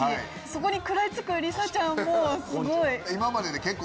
そこに食らい付くりさちゃんもすごい。